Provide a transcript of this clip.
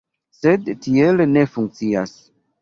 Sed tiel ne funkcias.